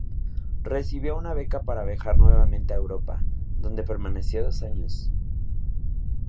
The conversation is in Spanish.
Recibió una beca para viajar nuevamente a Europa, donde permaneció dos años.